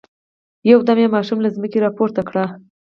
يودم يې ماشومه له ځمکې را پورته کړل.